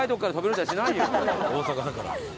大阪だから。